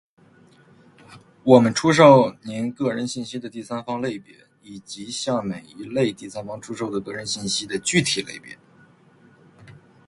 我们出售您个人信息的第三方类别，以及向每一类第三方出售的个人信息的具体类别。